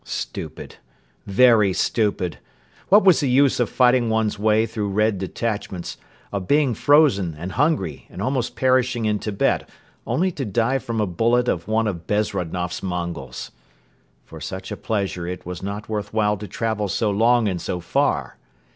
Stupid, very stupid! What was the use of fighting one's way through Red detachments, of being frozen and hungry, of almost perishing in Tibet only to die from a bullet of one of Bezrodnoff's Mongols? For such a pleasure it was not worth while to travel so long and so far!